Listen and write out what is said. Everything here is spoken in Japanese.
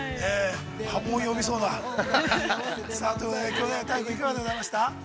波紋を呼びそうな。ということで、きょう、大祐君、いかがでございましたか。